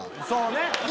そうね。